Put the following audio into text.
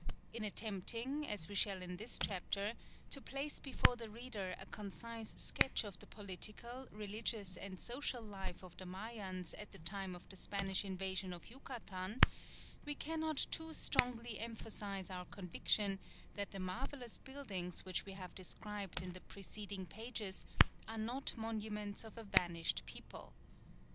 In attempting, as we shall in this chapter, to place before the reader a concise sketch of the political, religious, and social life of the Mayans at the time of the Spanish invasion of Yucatan, we cannot too strongly emphasise our conviction that the marvellous buildings which we have described in the preceding pages are not monuments of a vanished people.